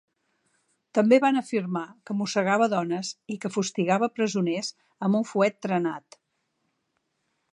També van afirmar que mossegava dones i que fustigava presoners amb un fuet trenat.